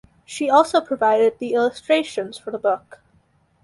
She also provided the illustrations for the book.